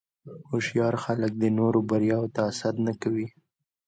هوښیار خلک د نورو بریاوو ته حسد نه کوي.